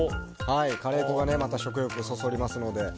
カレー粉が食欲をそそりますので。